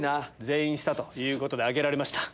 全員下ということで挙げました。